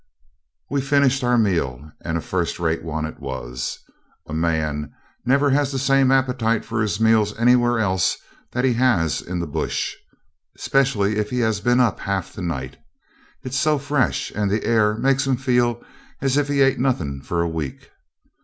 We finished our meal, and a first rate one it was. A man never has the same appetite for his meals anywhere else that he has in the bush, specially if he has been up half the night. It's so fresh, and the air makes him feel as if he'd ate nothing for a week.